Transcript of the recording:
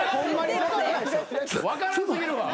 分からん過ぎるわ。